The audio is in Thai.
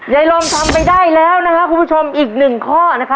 ยัยลมทำไปได้แล้วนะครับอีกหนึ่งข้อ